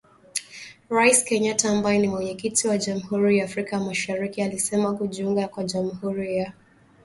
Rais Kenyatta ambaye ni Mwenyekiti wa Jamhuri ya Afrika Mashariki alisema, kujiunga kwa Jamhuri ya Kidemokrasi ya Kongo kama mwanachama